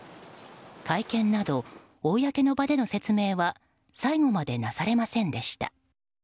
会見など公の場での説明は最後までなされませんでした。